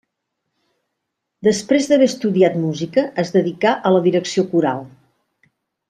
Després d'haver estudiat música, es dedicà a la direcció coral.